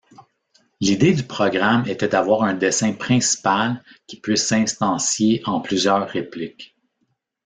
L'idée du programme était d'avoir un dessin principal qui puisse s'instancier en plusieurs répliques.